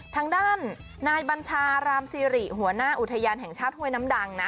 ทางด้านนายบัญชารามซีริหัวหน้าอุทยานแห่งชาติห้วยน้ำดังนะ